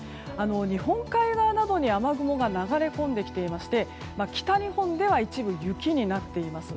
日本海側などに雨雲が流れ込んできていまして北日本では一部雪になっています。